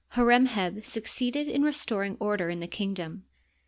Hor em heb succeeded in restoring order in the kingdom.